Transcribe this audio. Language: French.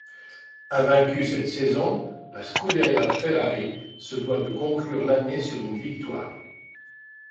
Invaincue cette saison, la Scuderia Ferrari se doit de conclure l'année sur une victoire.